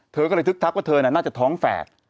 เธอก็เลยทึกทักว่าเธอน่าจะท้องแฝด